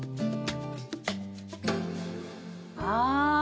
ああ。